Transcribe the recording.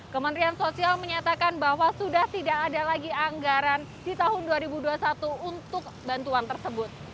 kementerian sosial menyatakan bahwa sudah tidak ada lagi anggaran di tahun dua ribu dua puluh satu untuk bantuan tersebut